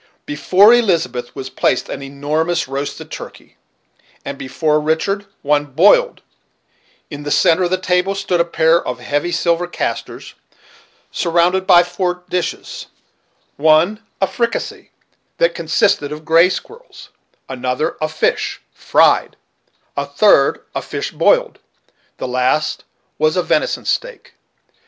Before Elizabeth was placed an enormous roasted turkey, and before Richard one boiled, in the centre of the table stood a pair of heavy silver casters, surrounded by four dishes: one a fricassee that consisted of gray squirrels; another of fish fried; a third of fish boiled; the last was a venison steak.